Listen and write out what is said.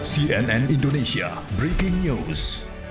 cnn indonesia breaking news